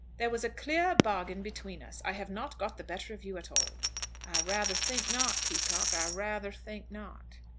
"There was a clear bargain between us. I have not got the better of you at all." "I rather think not, Peacocke. I rather think not.